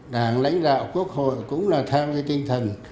đảng lãnh đạo quốc hội cũng là theo cái tinh thần